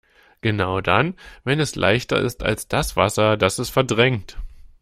Genau dann, wenn es leichter ist als das Wasser, das es verdrängt.